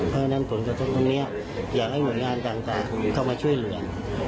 เพราะฉะนั้นผมจะมาช่วยคนที่อยากให้งานถังตาช่วยเหลือ